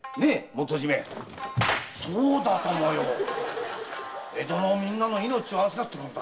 そうだ江戸のみんなの命を預かってるんだ。